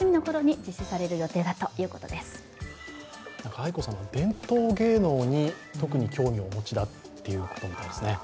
愛子さま、伝統芸能に特に興味をお持ちということみたいですね。